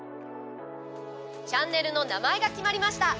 チャンネルの名前が決まりました。